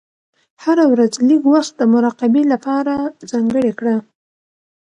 هره ورځ لږ وخت د مراقبې لپاره ځانګړی کړه.